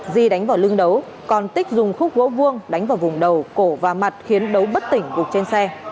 di đánh vào lưng đấu còn tích dùng khúc gỗ vuông đánh vào vùng đầu cổ và mặt khiến đấu bất tỉnh gục trên xe